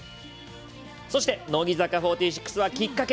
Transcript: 乃木坂４６は「きっかけ」。